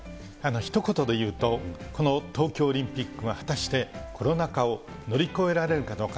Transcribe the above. ひと言で言うと、この東京オリンピックは果たしてコロナ禍を乗り越えられるかどうか。